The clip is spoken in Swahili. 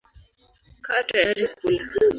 Kaa tayari kula.